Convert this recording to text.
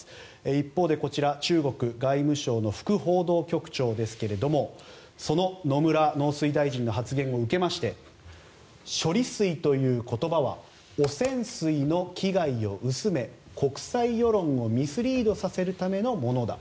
一方で中国外務省の副報道局長ですがその野村農水大臣の発言を受けまして処理水という言葉は汚染水の危害を薄め国際世論をミスリードさせるためのものだ。